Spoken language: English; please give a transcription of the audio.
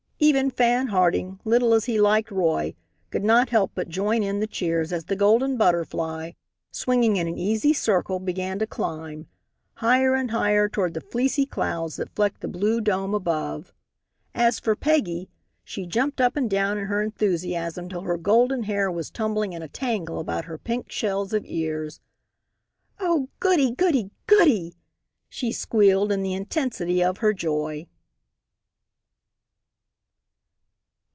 Even Fan Harding, little as he liked Roy, could not help but join in the cheers as the Golden Butterfly, swinging in an easy circle, began to climb higher and higher toward the fleecy clouds that flecked the blue dome above. As for Peggy, she jumped up and down in her enthusiasm till her golden hair was tumbling in a tangle about her pink shells of ears. "Oh, goody! goody! goody!" she squealed in the intensity of her joy.